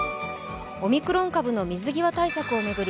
オミクロン株の水際対策を巡り